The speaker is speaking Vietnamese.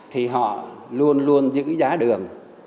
thì họ luôn luôn giữ giá đường